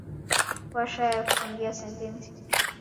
Warsha ya kuchangia sentensi